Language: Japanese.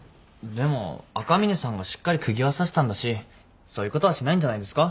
でも赤嶺さんがしっかり釘は刺したんだしそういうことはしないんじゃないですか。